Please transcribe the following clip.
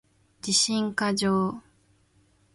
自信過剰